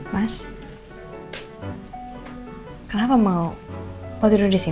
mas kenapa mau tidur di sini